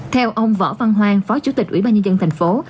theo ông võ văn hoang phó chủ tịch ủy ban nhân dân thành phố